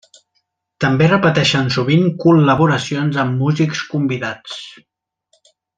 També repeteixen sovint col·laboracions amb músics convidats.